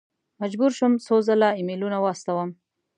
مجبور شوم څو ځل ایمیلونه واستوم.